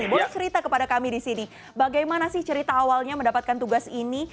boleh cerita kepada kami di sini bagaimana sih cerita awalnya mendapatkan tugas ini